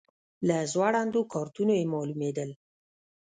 له ځوړندو کارتونو یې معلومېدل.